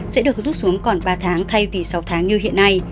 sẽ được rút xuống còn ba tháng thay vì sáu tháng như hiện nay